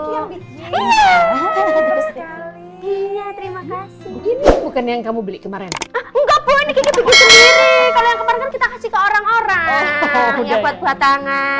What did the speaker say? terima kasih bukan yang kamu beli kemarin orang orang